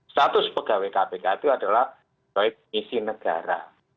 status pegawai kpk itu adalah baik isi negara